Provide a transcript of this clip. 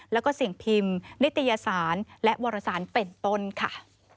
แล้วก็สิ่งพิมพ์นิตยสารและวรสารเป็นต้นค่ะ